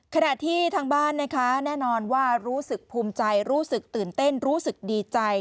ขณะที่ทางบ้านนะคะแน่นอนว่ารู้สึกภูมิใจรู้สึกตื่นเต้นรู้สึกดีใจ